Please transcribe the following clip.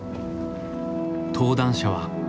登壇者は。